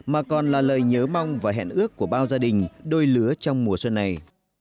mà còn là lời nhớ mong và hẹn ước của bao gia đình đôi lứa trong mùa xuân này